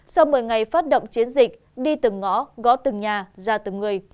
sau một mươi ngày phát động chiến dịch đi từng ngõ gõ từng nhà ra từng người